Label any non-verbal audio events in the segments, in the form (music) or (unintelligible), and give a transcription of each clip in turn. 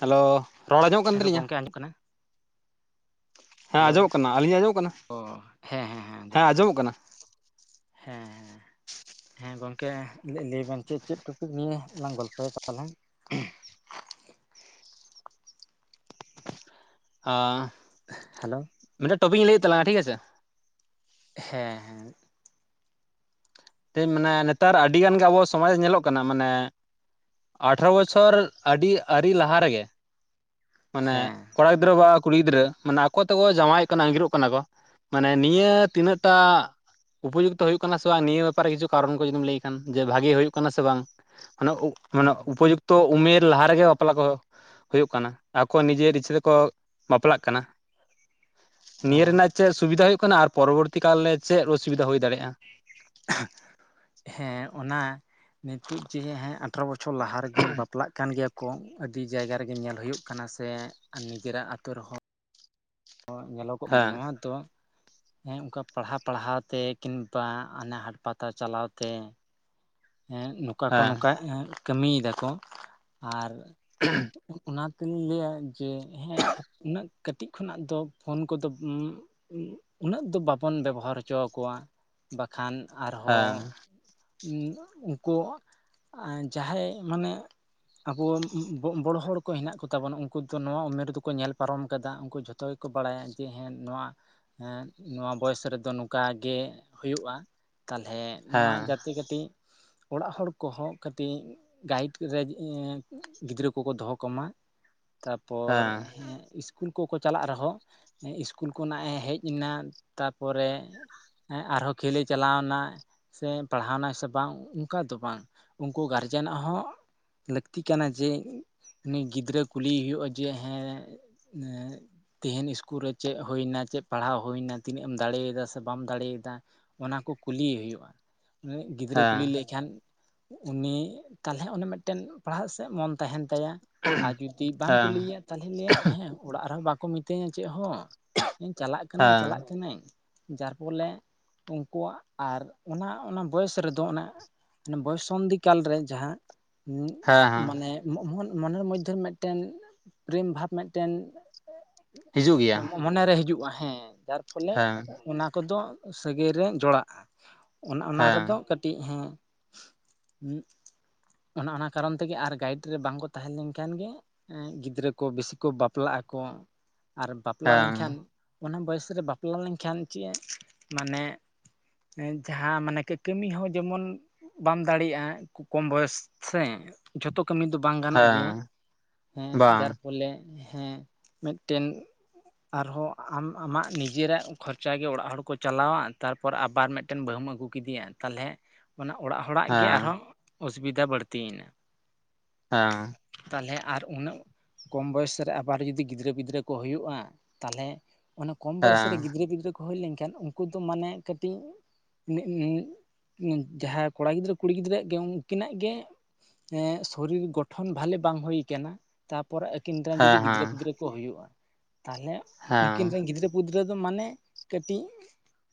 Hello. ᱨᱚᱲ ᱟᱸᱡᱚᱢᱚᱜ ᱠᱟᱱ ᱦᱮᱞᱳ, ᱛᱟᱹᱞᱤᱧᱟ ᱜᱚᱝᱠᱮ ᱟᱸᱡᱚᱢᱚᱜ ᱠᱟᱱᱟ? ᱦᱮᱸ ᱦᱮᱞᱳ ᱟᱸᱡᱚᱢᱚᱜ ᱠᱟᱱᱟ ᱟᱹᱞᱤᱧᱟᱜ ᱟᱸᱡᱚᱢᱚᱜ ᱠᱟᱱᱟ ᱚ ᱦᱮᱸ ᱦᱮᱸ ᱦᱮᱸ ᱟᱸᱡᱚᱢᱚᱜ ᱠᱟᱱᱟ᱾ ᱦᱮᱸ ᱦᱮᱸ ᱦᱮᱸ ᱦᱮᱸ ᱜᱚᱝᱠᱮ ᱞᱟᱹᱭ ᱵᱮᱱ ᱪᱮᱫ ᱪᱮᱫ ᱴᱚᱯᱤᱠ ᱱᱤᱭᱮ ᱞᱟᱝ ᱜᱚᱞᱯᱚᱭᱟ ᱛᱟᱦᱚᱞᱮ? ᱟᱸ ᱦᱮᱞᱳ᱾ ᱢᱮᱫᱴᱟᱝ ᱴᱚᱯᱤᱠ ᱤᱧ ᱞᱟᱹᱭᱮᱫ ᱛᱟᱞᱟᱝᱟ ᱴᱷᱤᱠ ᱟᱪᱷᱮ᱾ ᱦᱮᱸ ᱦᱮᱸ᱾ ᱢᱟᱱᱮ ᱱᱮᱛᱟᱨ ᱟᱹᱰᱤᱜᱟᱱ ᱜᱮ ᱟᱵᱚᱣᱟᱜ ᱥᱚᱢᱟᱡᱽ ᱧᱮᱞᱚᱜ ᱠᱟᱱᱟ ᱢᱟᱱᱮᱼᱼ ᱟᱴᱷᱨᱚ ᱵᱚᱪᱷᱚᱨ ᱟᱹᱰᱤ ᱟᱹᱨᱤ ᱞᱟᱦᱟ ᱨᱮᱜᱮᱼᱼ ᱢᱟᱱᱮ ᱦᱮᱸ ᱠᱚᱲᱟ ᱜᱤᱫᱽᱨᱟᱹ ᱵᱟ ᱠᱩᱲᱤ ᱜᱤᱫᱽᱨᱟᱹ ᱢᱟᱱᱮ ᱟᱠᱚ ᱛᱮᱠᱚ ᱡᱟᱶᱟᱭᱚᱜ ᱠᱟᱱᱟ ᱟᱸᱜᱤᱨᱚᱜ ᱠᱟᱱᱟ ᱠᱚ᱾ ᱢᱟᱱᱮ ᱱᱤᱭᱟᱹ ᱛᱤᱱᱟᱹᱜ ᱴᱟᱜ? ᱩᱯᱚᱡᱩᱠᱛᱚ ᱦᱩᱭᱩᱜ ᱠᱟᱱᱟ ᱥᱮ ᱵᱟᱝ ᱱᱤᱭᱟᱹ ᱵᱮᱯᱟᱨᱮ ᱠᱤᱪᱷᱩ ᱠᱟᱨᱚᱱ ᱠᱚ ᱡᱩᱫᱤᱢ ᱞᱟᱹᱭ ᱠᱷᱟᱱ ᱡᱮ ᱵᱷᱟᱜᱮ ᱦᱩᱭᱩᱜ ᱠᱟᱱᱟ ᱥᱮ ᱵᱟᱝ? ᱢᱟᱱᱮ ᱢᱟᱱᱮ ᱩᱯᱚᱡᱩᱠᱛᱚ ᱩᱢᱮᱨ ᱞᱟᱦᱟ ᱨᱮᱜᱮ ᱵᱟᱯᱞᱟ ᱠᱚ ᱦᱳᱭᱳᱜ ᱠᱟᱱᱟ᱾ ᱟᱠᱚ ᱱᱤᱡᱮᱨ ᱤᱪᱪᱷᱟᱹ ᱛᱮᱠᱚ ᱵᱟᱯᱞᱟᱜ ᱠᱟᱱᱟ, ᱚ ᱱᱤᱭᱟᱹ ᱨᱮᱱᱟᱜᱼᱼ ᱪᱮᱜ ᱥᱩᱵᱤᱫᱷᱟ ᱦᱳᱭᱳᱜ ᱠᱟᱱᱟ ᱟᱨ ᱯᱚᱨᱚᱵᱚᱨᱛᱤ ᱠᱟᱞᱨᱮ ᱪᱮᱜ ᱚᱥᱩᱵᱤᱫᱷᱟ ᱦᱳᱭ ᱫᱟᱲᱮᱭᱟᱜᱼᱟ? ᱦᱮᱸ, ᱚᱱᱟ ᱱᱤᱛᱩᱜ ᱡᱮ ᱦᱮᱸ ᱟᱴᱷᱨᱚ ᱵᱚᱪᱷᱚᱨ ᱞᱟᱦᱟ ᱨᱮᱜᱮᱢ ᱵᱟᱯᱞᱟᱜ ᱠᱟᱱ ᱜᱮᱭᱟ ᱠᱚ ᱟᱹᱰᱤ ᱡᱟᱭᱜᱟ ᱨᱮᱜᱮ ᱧᱮᱞ ᱦᱩᱭᱩᱜ ᱠᱟᱱᱟ ᱥᱮ ᱱᱤᱡᱮᱨᱟᱜ ᱟᱛᱳ ᱨᱮᱦᱚ ᱧᱮᱞᱚᱜᱚᱜᱼᱟ ᱟᱨ ᱦᱮᱸ ᱱᱚᱣᱟ ᱫᱚ ᱦᱮᱸ ᱚᱝᱠᱟ ᱯᱟᱲᱦᱟᱣ ᱯᱟᱲᱦᱟᱣ ᱛᱮ ᱠᱤᱢᱵᱟ ᱟᱱᱮ ᱦᱟᱴ ᱯᱟᱛᱟ ᱪᱟᱞᱟᱣ ᱛᱮ ᱦᱮᱸ ᱱᱚᱝᱠᱟ ᱠᱚ ᱦᱮᱸ ᱱᱚᱝᱠᱟ ᱠᱟᱹᱢᱤᱭᱮᱫᱟᱠᱚ ᱟᱨ ᱩᱸᱦᱩ ᱚᱱᱟᱛᱤᱧ ᱞᱟᱹᱭᱟ ᱡᱮ ᱦᱮᱸ ᱩᱱᱟᱹᱜ ᱠᱟᱹᱛᱤᱡ ᱠᱷᱚᱱᱟᱜ ᱫᱚ ᱯᱷᱳᱱ ᱠᱚᱫᱚ ᱩᱱᱟᱹᱜ ᱫᱚ ᱵᱟᱵᱚᱱ ᱵᱮᱵᱚᱦᱟᱨ ᱦᱚᱪᱚ ᱟᱠᱚᱣᱟ ᱵᱟᱠᱷᱟᱱ ᱟᱨᱦᱚ ᱦᱮᱸ (inaudible) ᱩᱱ ᱢᱟ ᱩᱱᱠᱩ ᱡᱟᱦᱟᱸᱭ ᱢᱟᱱᱮ ᱟᱵᱚ ᱵᱚᱲᱚ ᱦᱚᱲ ᱠᱚ ᱦᱮᱱᱟᱜ ᱠᱚ ᱛᱟᱵᱚᱱᱟ ᱩᱱᱠᱩ ᱫᱚ ᱱᱚᱣᱟ ᱩᱢᱮᱨ ᱫᱚᱠᱚ ᱧᱮᱞ ᱯᱟᱨᱚᱢ ᱠᱟᱫᱟ ᱩᱱᱠᱩ ᱡᱷᱚᱛᱚ ᱠᱚ ᱵᱟᱲᱟᱭᱟ ᱡᱮ ᱦᱮᱸ ᱱᱚᱣᱟ ᱦᱮᱸ ᱱᱚᱣᱟ ᱵᱚᱭᱮᱥ ᱨᱮᱫᱚ ᱱᱚᱝᱠᱟ ᱜᱮ ᱦᱩᱭᱩᱜᱼᱟ ᱛᱟᱞᱦᱮ ᱱᱚᱣᱟ ᱦᱮᱸ ᱡᱟᱛᱮ ᱠᱟᱹᱴᱤᱡ ᱚᱲᱟᱜ ᱦᱚᱲ ᱠᱚᱦᱚ ᱠᱟᱹᱴᱤᱡ ᱜᱟᱭᱤᱰ ᱨᱮ ᱜᱤᱫᱽᱨᱟᱹ ᱠᱚᱠᱚ ᱫᱚᱦᱚ ᱠᱚᱢᱟ ᱛᱟᱯᱚᱨ ᱦᱮᱸ ᱤᱥᱠ ᱩᱞ ᱠᱚᱠᱚ ᱪᱟᱞᱟᱜ ᱨᱮᱦᱚᱸ ᱤᱥᱠᱩᱞ ᱠᱷᱚᱱᱟᱜ ᱮ ᱦᱮᱡ ᱮᱱᱟ ᱛᱟᱯᱚᱨᱮ ᱦᱮᱸ ᱟᱨᱦᱚᱸ ᱠᱷᱮᱞᱮ ᱪᱟᱞᱟᱣ ᱮᱱᱟ ᱥᱮ ᱯᱟᱲᱦᱟᱣ ᱮᱱᱟ ᱥᱮ ᱵᱟᱝ ᱚᱝᱠᱟ ᱫᱚ ᱵᱟᱝ ᱩᱱᱠᱩ ᱜᱟᱨᱡᱮᱱᱟᱜ ᱦᱚᱸ ᱞᱟᱹᱠᱛᱤ ᱠᱟᱱᱟ ᱡᱮ ᱩᱱᱤ ᱜᱤᱫᱽᱨᱟᱹ ᱠᱩᱞᱤᱭᱮ ᱦᱩᱭᱩᱜᱼᱟ ᱡᱮ ᱦᱮᱸ ᱛᱮᱦᱮᱱ ᱤᱥᱠᱩᱞ ᱨᱮ ᱪᱮᱫ ᱦᱳᱭ ᱮᱱᱟ ᱪᱮᱫ ᱯᱟᱲᱦᱟᱣ ᱦᱳᱭ ᱮᱱᱟ ᱛᱤᱱᱟᱹᱜ ᱮᱢ ᱫᱟᱲᱮᱭᱮᱫᱟ ᱥᱮ ᱵᱟᱢ ᱫᱟᱲᱮᱭᱮᱫᱟ ᱚᱱᱟ ᱠᱚ ᱠᱩᱞᱤᱭᱮ ᱦᱩᱭᱩᱜᱼᱟ ᱜᱤᱫᱽᱨᱟᱹ ᱦᱮᱸ ᱠᱩᱞᱤ ᱞᱮᱭ ᱠᱷᱟᱱ ᱩᱱᱤ ᱛᱟᱞᱦᱮ ᱚᱱᱮ ᱢᱮᱫᱴᱮᱱ ᱯᱟᱲᱦᱟᱜ ᱥᱮᱫ ᱢᱚᱱ ᱛᱟᱦᱮᱱ ᱛᱟᱭᱟ ᱟᱨ ᱡᱩᱫᱤ ᱵᱟᱝ ᱦᱮᱸ ᱠᱩᱞᱤ ᱮᱭᱟ ᱛᱟᱞᱦᱮ ᱞᱮᱭᱟ ᱦᱮᱸ ᱚᱲᱟᱜ ᱨᱮᱦᱚᱸ ᱵᱟᱠᱚ ᱢᱤᱛᱟᱹᱧᱟ ᱪᱮᱫ ᱦᱚᱸ ᱤᱧ ᱪᱟᱞᱟᱜ ᱦᱮᱸ ᱠᱟᱹᱱᱟᱹᱧ ᱦᱮᱸ ᱪᱟᱞᱟᱜ ᱠᱟᱹᱱᱟᱹᱧ ᱡᱟᱨ ᱯᱷᱚᱞᱮ ᱩᱱᱠᱩᱣᱟᱜ ᱟᱨ ᱚᱱᱟ ᱚᱱᱟ ᱵᱚᱭᱮᱥ ᱨᱮᱫ ᱚ ᱚᱱᱟ ᱵᱚᱭᱚᱥ ᱥᱚᱱᱫᱷᱤ ᱠᱟᱞ ᱨᱮ ᱡᱟᱦᱟ ᱦᱮᱸ ᱦᱮᱸ ᱢᱟᱱᱮ ᱢᱚᱱᱮᱨ ᱢᱚᱭᱮᱫᱽᱫᱷᱮ ᱨᱮ ᱢᱮᱫᱴᱮᱱ ᱯᱨᱮᱢ ᱵᱷᱟᱵᱽ ᱢᱮᱫᱴᱮᱱ ᱦᱤᱡᱩᱜ ᱜᱮᱭᱟ ᱢᱚᱱᱮ ᱨᱮ ᱦᱤᱡᱩᱜᱼᱟ ᱦᱮᱸ ᱡᱟᱨ ᱯᱷᱚᱞᱮ ᱦᱮᱸ ᱚᱱᱟ ᱠᱚᱫᱚ ᱥᱟᱹᱜᱟᱹᱭ ᱨᱮ ᱡᱚᱲᱟᱜᱼᱟ ᱚᱱᱟ ᱚᱱᱟ ᱨᱮᱫᱚ ᱦᱮᱸ ᱠᱟᱹᱴᱤᱡ ᱦᱮᱸ ᱚᱱᱮ ᱚᱱᱟ ᱠᱟᱨᱚᱱ ᱛᱮᱜᱮ ᱟᱨ ᱜᱟᱭᱤᱰ ᱨᱮ ᱵᱟᱝᱠᱚ ᱛᱟᱦᱮ ᱞᱮᱱᱠᱷᱟᱱ ᱜᱮ ᱜᱤᱫᱽᱨᱟᱹ ᱠᱚ ᱵᱮᱥᱤ ᱠᱚ ᱵᱟᱯᱞᱟᱜ ᱟᱠᱚ ᱟᱨ ᱵᱟᱯᱞᱟ ᱞᱮᱱᱠᱷᱟᱱ ᱦᱮᱸ ᱚᱱᱟ ᱵᱚᱭᱮᱥ ᱨᱮ ᱵᱟᱯᱞᱟ ᱞᱮᱱᱠᱷᱟᱱ ᱪᱮᱫ ᱢᱟᱱᱮ ᱡᱟᱦᱟᱸ ᱢᱟᱱᱮ ᱠᱟᱹᱢᱤ ᱦᱚᱸ ᱡᱮᱢᱚᱱ ᱵᱟᱢ ᱫᱟᱲᱮᱭᱟᱜᱼᱟ ᱠᱚᱢ ᱵᱚᱭᱚᱥ ᱥᱮ ᱡᱷᱚᱛᱚ ᱠᱟᱹᱢᱤ ᱫᱚ ᱵᱟᱝ ᱜᱟᱱᱚᱜ ᱦᱮᱸ ᱜᱮᱭᱟ ᱦᱮᱸ ᱵᱟᱝ ᱡᱟᱨ ᱯᱷᱚᱞᱮ ᱦᱮᱸ ᱢᱤᱫᱴᱮᱱ ᱟᱨᱦᱚᱸ ᱟᱢ ᱟᱢᱟᱜ ᱱᱤᱡᱮᱨᱟᱜ ᱠᱷᱚᱨᱪᱟ ᱜᱮ ᱚᱲᱟᱜ ᱦᱚᱲ ᱠᱚ ᱪᱟᱞᱟᱣᱟ ᱛᱟᱨ ᱯᱚᱨ ᱟᱵᱟᱨ ᱢᱤᱫᱴᱮᱱ ᱵᱟᱹᱦᱩᱢ ᱟᱹᱜᱩ ᱠᱮᱫᱮᱭᱟ ᱛᱟᱦᱚᱞᱮ ᱢᱟᱱᱮ ᱚᱲᱟᱜ ᱦᱚᱲᱟᱜ ᱜᱮ ᱟᱨᱦᱚ ᱦᱮᱸ ᱚᱥᱩᱵᱤᱫᱷᱟ ᱵᱟᱹᱲᱛᱤᱭᱮᱱᱟ ᱦᱮᱸ ᱛᱟᱦᱚᱞᱮ ᱟᱨ ᱩᱱᱟᱹᱜ ᱠᱚᱢ ᱵᱚᱭᱚᱥ ᱨᱮ ᱟᱵᱟᱨ ᱡᱚᱫᱤ ᱜᱤᱫᱽᱨᱟᱹ ᱯᱤᱫᱽᱨᱟᱹ ᱠᱚ ᱦᱩᱭᱩᱜᱼᱟ ᱛᱟᱦᱚᱞᱮ ᱚᱱᱟ ᱠᱚᱢ ᱵᱚᱭᱚᱥ ᱦᱮᱸ ᱨᱮ ᱦᱮᱸ ᱦᱮᱸ ᱜᱤᱫᱽᱨᱟᱹ ᱜᱤᱫᱽᱨᱟᱹ ᱠᱚ ᱦᱩᱭ ᱞᱮᱱᱠᱷᱟᱱ ᱩᱱᱠᱩ ᱫᱚ ᱢᱟᱱᱮ ᱠᱟᱹᱴᱤᱡ (unintelligible) ᱡᱟᱦᱟᱸᱭ ᱠᱚᱲᱟ ᱜᱤᱫᱽᱨᱟᱹ ᱠᱩᱲᱤ ᱜᱤᱫᱽᱨᱟᱹᱣᱟᱜ ᱜᱮ ᱩᱱᱠᱤᱱᱟᱜ ᱜᱮ ᱮᱸ ᱥᱚᱨᱤᱨ ᱜᱚᱴᱷᱚᱱ ᱵᱷᱟᱞᱮ ᱵᱟᱝ ᱦᱩᱭ ᱟᱠᱟᱱᱟ ᱛᱟᱯᱚᱨᱮ ᱟᱹᱠᱤᱱ ᱨᱮᱱ ᱦᱮᱸ ᱡᱩᱫᱤ ᱜᱤᱫᱽᱨᱟᱹ ᱯᱤᱫᱽᱨᱟᱹ ᱠᱚ ᱦᱩᱭᱩᱜᱼᱟ ᱛᱟᱦᱚᱞᱮ ᱩᱱᱠᱤᱱ ᱨᱮᱱ ᱜᱤᱫᱽᱨᱟᱹ ᱯᱤᱫᱽᱨᱟᱹ ᱫᱚ ᱢᱟᱱᱮ ᱠᱟᱹᱴᱤᱡ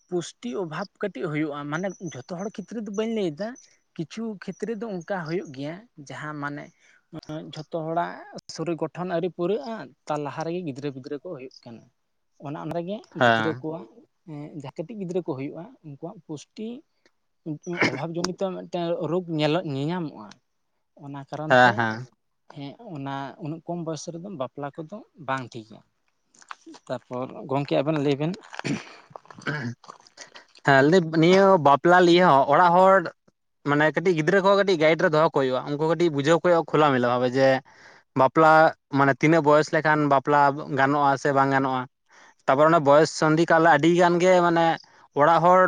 ᱯᱩᱥᱴᱤ ᱚᱵᱷᱟᱵ ᱠᱟᱹᱴᱤᱡ ᱦᱩᱭᱩᱜᱼᱟ ᱢᱟᱱᱮ ᱡᱷᱚ ᱛᱚ ᱦᱚᱲ ᱠᱷᱮᱛᱨᱮ ᱫᱚ ᱵᱟᱹᱧ ᱞᱟᱹᱭ ᱮᱫᱟ ᱠᱤᱪᱷᱩ ᱠᱷᱮᱛᱨᱮ ᱫᱚ ᱚᱱᱠᱟ ᱦᱩᱭᱩᱜ ᱜᱮᱭᱟ ᱡᱟᱦᱟ ᱢᱟᱱᱮ ᱡᱷᱚᱛᱚ ᱦᱚᱲᱟᱜ ᱥᱚᱨᱤᱨ ᱜᱚᱴᱷᱚᱱ ᱟᱮᱹᱨᱤ ᱯᱩᱨᱟᱹᱜᱼᱟ ᱛᱟᱨ ᱞᱟᱦᱟ ᱨᱮᱜᱮ ᱜᱤᱫᱽᱨᱟᱹ ᱯᱤᱫᱽᱨᱟᱹ ᱠᱚ ᱦᱩᱭᱩᱜ ᱠᱟᱱᱟ ᱚᱱᱟ ᱚᱸᱰᱮ ᱜᱮ ᱜᱤᱫᱽᱨᱟᱹ ᱦᱮᱸ ᱠᱚᱣᱟᱜ ᱡᱟᱦᱟ ᱠᱟᱹᱴᱤᱡ ᱜᱤᱫᱽᱨᱟᱹ ᱠᱚ ᱦᱩᱭᱩᱜᱼᱟ ᱩᱱᱠᱩᱣᱟᱜ ᱯᱩᱥᱴᱤ ᱚᱵᱷᱟᱵᱽ ᱡᱚᱱᱤᱛ ᱢᱤᱫᱴᱮᱱ ᱨᱳᱜᱽ ᱧᱮᱞᱚᱜ ᱧᱮᱧᱟᱢᱚᱜᱼᱟ ᱚᱱᱟ ᱠᱟᱨᱚᱱ ᱦᱮᱸ ᱛᱮ ᱦᱮᱸ ᱦᱮᱸ ᱚᱱᱟ ᱩᱱᱟᱹᱜ ᱠᱚᱢ ᱵᱚᱭᱚᱥ ᱨᱮᱫᱚ ᱵᱟᱯᱞᱟ ᱠᱚᱫᱚ ᱵᱟᱝ ᱴᱷᱤᱠ ᱟ᱾ ᱛᱟᱯᱚᱨ ᱜᱚᱢᱠᱮ ᱟᱵᱮᱱ ᱞᱟᱹᱭ ᱵᱮᱱ᱾ ᱦᱮᱸ ᱞᱮᱯ (inaudible) ᱱᱤᱭᱟᱹ ᱵᱟᱯᱞᱟ ᱞᱤᱭᱟᱹ ᱦᱚᱸ ᱚᱲᱟᱜ ᱦᱚᱲ ᱢᱟᱱᱮ ᱠᱟᱹᱴᱤᱡ ᱜᱤᱫᱽᱨᱟᱹ ᱠᱚ ᱠᱟᱹᱴᱤᱡ ᱜᱟᱭᱤᱴ ᱨᱮ ᱫᱚᱦᱚ ᱠᱚ ᱦᱩᱭᱩᱜᱼᱟ, ᱩᱱᱠᱩ ᱠᱟᱹᱴᱤᱡ ᱵᱩᱡᱷᱟᱹᱣ ᱠᱚ ᱦᱩᱭᱩᱜᱼᱟ ᱠᱷᱩᱞᱟ ᱢᱮᱞᱟ ᱵᱷᱟᱵᱮ ᱡᱮ ᱵᱟᱯᱞᱟ ᱢᱟᱱᱮ ᱛᱤᱱᱟᱹᱜ ᱵᱚᱭᱚᱥ ᱞᱮᱠᱷᱟᱱ ᱵᱟᱯᱞᱟ ᱜᱟᱱᱚᱜᱼᱟ ᱥᱮ ᱵᱟᱝ ᱜᱟᱱᱚᱜᱼᱟ, ᱛᱟᱨᱯᱚᱨ ᱚᱱᱮ ᱵᱚᱭᱚᱥ ᱥᱚᱱᱫᱷᱤ ᱠᱟᱞ ᱟᱹᱰᱤ ᱜᱟᱱ ᱜᱮ ᱢᱟᱱᱮ ᱚᱲᱟᱜ ᱦᱚᱲ